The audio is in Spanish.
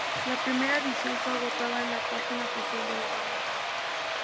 La primera edición fue agotada en la página oficial de la banda.